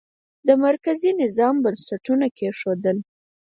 د مرکزي نظام بنسټونه کېښودل شي.